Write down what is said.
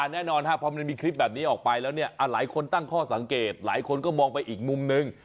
แน่นอนพอมันมีคลิปแบบนี้ออกไปแล้วเนี่ยหลายคนตั้งข้อสังเกตหลายคนก็มองไปอีกมุมนึง